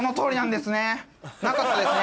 なかったですね